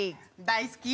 大好き！